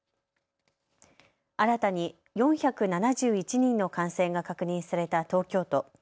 新たに４７１人の感染が確認された東京都。